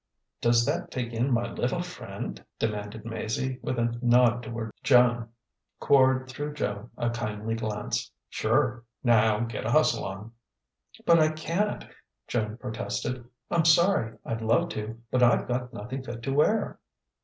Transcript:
"Does that take in my little friend?" demanded Maizie, with a nod toward Joan. Quard threw Joan a kindly glance: "Sure. Now, get a hustle on." "But I can't," Joan protested. "I'm sorry I'd love to but I've got nothing fit to wear."